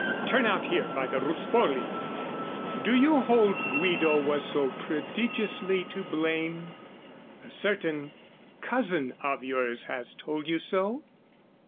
Turn out here by the Ruspoli! Do you hold Guido was so prodigiously to blame? A certain cousin of yours has told you so?